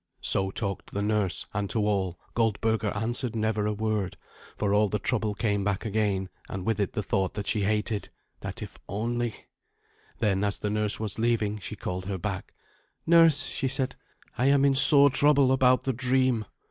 So talked the nurse, and to all Goldberga answered never a word, for all the trouble came back again, and with it the thought that she hated, that if only Then, as the nurse was leaving her, she called her back. "Nurse," she said, "I am in sore trouble about the dream.